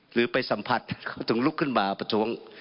หรือไปสัมผัสถึงลุกขึ้นมาประท้วง